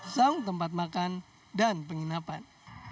saung tempat makan dan penginapan